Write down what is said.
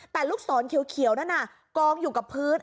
แต่ลูกศรเขียวนั่นน่ะกองอยู่กับพื้น